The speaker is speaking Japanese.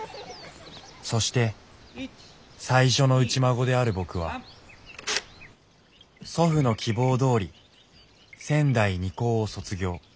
そして最初の内孫である僕は祖父の希望どおり仙台二高を卒業。